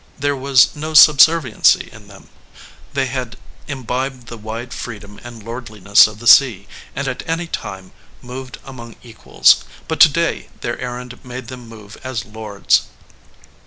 There was no subserviency in them. They had imbibed the wide freedom and lordliness of the sea, and at any time moved among equals ; but to day their errand made them move as lords.